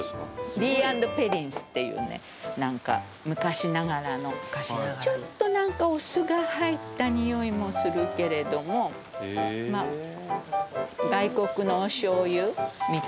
リーアンドペリンスっていうねなんか昔ながらのちょっとなんかお酢が入った匂いもするけれどもまあ外国のお醤油みたいな感じかな。